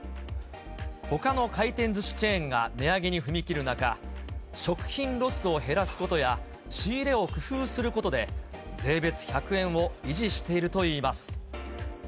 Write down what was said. ほかの回転ずしチェーンが値上げに踏み切る中、食品ロスを減らすことや、仕入れを工夫することで、税別１００円を維持しているといいます。